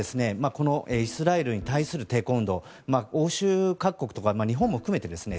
このイスラエルに対する抵抗運動欧州各国とか日本も含めてですね